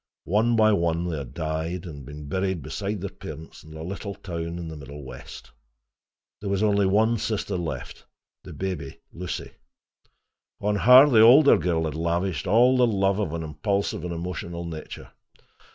One by one they had died, and been buried beside their parents in a little town in the Middle West. There was only one sister left, the baby, Lucy. On her the older girl had lavished all the love of an impulsive and emotional nature.